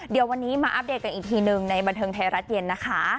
เดี๋ยววันนี้มาอัปเดตกันอีกทีหนึ่งในบันเทิงไทยรัฐเย็นนะคะ